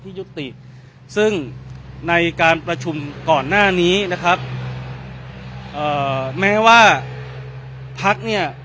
ยุติซึ่งในการประชุมก่อนหน้านี้นะครับเอ่อแม้ว่าพักเนี่ย